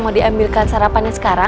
mungkin karena aku saja pemikir upside down